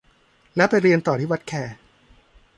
แล้วไปเรียนต่อที่วัดแค